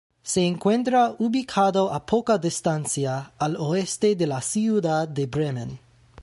Se encuentra ubicado a poca distancia al oeste de la ciudad de Bremen.